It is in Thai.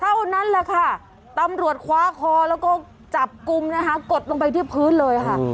เท่านั้นแหละค่ะตำรวจคว้าคอแล้วก็จับกลุ่มนะคะกดลงไปที่พื้นเลยค่ะ